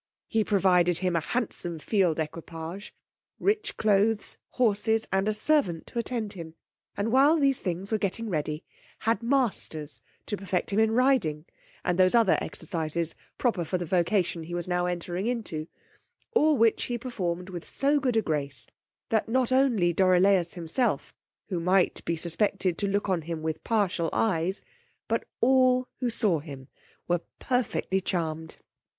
He provided him a handsome field equipage, rich cloaths, horses, and a servant to attend him; and while these things were getting ready, had masters to perfect him in riding; and those other exercises proper for the vocation he was now entering into, all which he performed with so good a grace, that not only Dorilaus himself, who might be suspected to look on him with partial eyes, but all who saw him were perfectly charmed.